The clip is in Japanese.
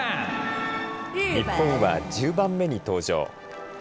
日本は１０番目に登場。